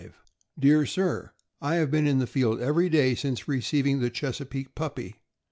Dear Sir : I have been in the field every day since re ceiving the Chesapeake puppy.